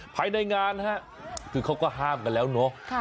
ภายในงานฮะคือเขาก็ห้ามกันแล้วเนาะ